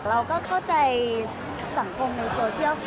เราก็เข้าใจสังคมในโซเชียล